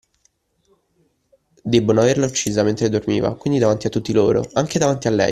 Debbono averla uccisa mentre dormiva, quindi davanti a tutti loro, anche davanti a lei!